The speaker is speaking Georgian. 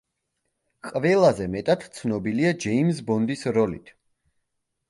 ყველაზე მეტად ცნობილია ჯეიმზ ბონდის როლით.